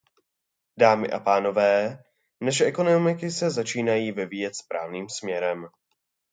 Dámy a pánové, naše ekonomiky se začínají vyvíjet správným směrem.